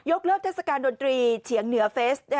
เลิกเทศกาลดนตรีเฉียงเหนือเฟส